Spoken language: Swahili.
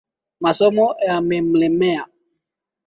Masomo yamemlemea